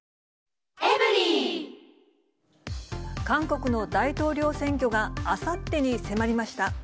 韓国の大統領選挙があさってに迫りました。